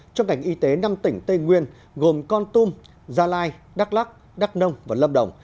trong ngành y tế năm tỉnh tây nguyên gồm con tum gia lai đắk lắc đắk nông và lâm đồng